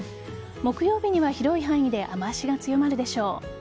木曜日には広い範囲で雨脚が強まるでしょう。